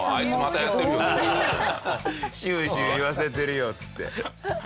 シューシューいわせてるよっつって。